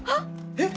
えっ！？